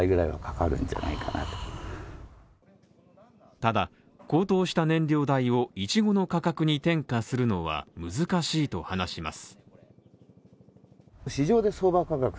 ただ高騰した燃料代をいちごの価格に転嫁するのは難しいと話します。